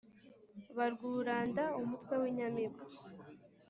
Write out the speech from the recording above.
barwuranda umutwe w’inyamibwa